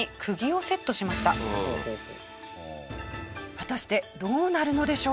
果たしてどうなるのでしょうか？